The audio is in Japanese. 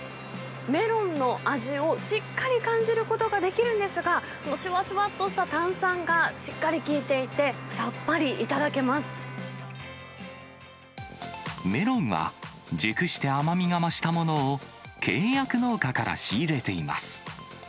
メロンの味をしっかり感じることができるんですが、そのしゅわしゅわっとした炭酸がしっかり効いていて、さっぱり頂メロンは熟して甘みが増したものを、契約農家から仕入れています。